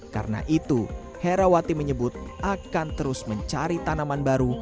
karena itu herawati menyebut akan terus mencari tanaman baru